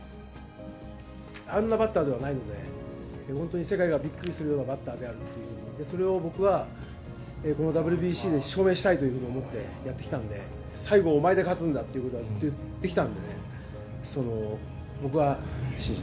あんなバッターではないので、本当に世界がびっくりするようなバッターであるという、それを僕は、このＷＢＣで証明したいっていうふうに思って、やってきたんで、最後、お前で勝つんだということはずっと言ってきたんでね。